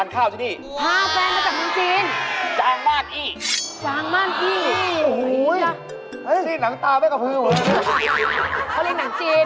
เค้าเล่นนางจีนนางเอกนางจีน